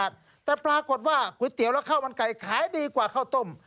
แต่ปรากฏว่าก๋วยเตี๋ยวและข้าวมันไก่ขายดีกว่าข้าวต้ม